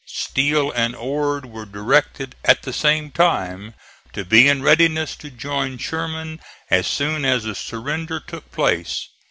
Steele and Ord were directed at the same time to be in readiness to join Sherman as soon as the surrender took place.